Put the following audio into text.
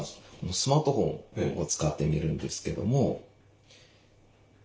スマートフォンを使ってみるんですけども。